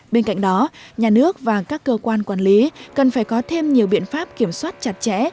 bên cạnh đó nhà nước và các cơ quan quản lý cần phải có thêm nhiều biện pháp kiểm soát chặt chẽ